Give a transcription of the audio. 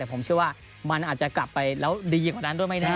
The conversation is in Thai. ผมเชื่อว่ามันอาจจะกลับไปแล้วดีกว่านั้นด้วยไม่แน่